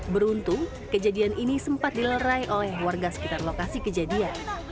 beruntung kejadian ini sempat dilerai oleh warga sekitar lokasi kejadian